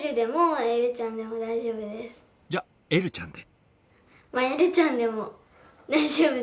じゃ「えるちゃん」で。